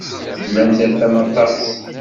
Tellam terfam aṭas.